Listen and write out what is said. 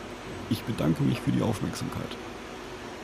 Ich bedanke mich für die Aufmerksamkeit!